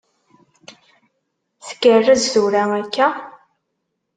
Tgerrez tura akka?